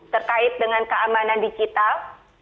terkait dengan keamanan digital